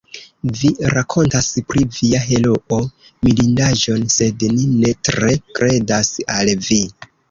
Vi rakontas pri via heroo mirindaĵon, sed ni ne tre kredas al vi.